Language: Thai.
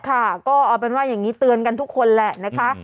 ค่ะก็เอาเป็นว่าอย่างนี้เตือนกันทุกคนแหละนะคะ